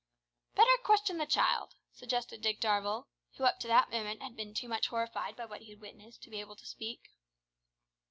"Better question the child," suggested Dick Darvall, who up to that moment had been too much horrified by what he had witnessed to be able to speak.